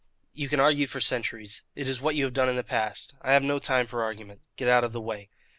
You can argue for centuries. It is what you have done in the past. I have no time for argument. Get out of the way."